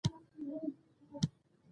د هرات د ښار محاصرې لس میاشتې دوام وکړ.